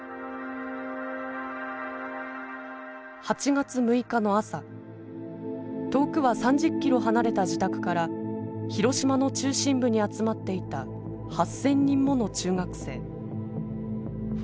８月６日の朝遠くは３０キロ離れた自宅から広島の中心部に集まっていた８，０００人もの中学生。